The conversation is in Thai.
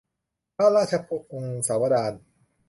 พระราชพงศาวดาร